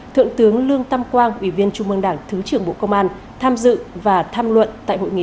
thượng tướng lương tam quang ủy viên trung mương đảng thứ trưởng bộ công an tham dự và tham luận tại hội nghị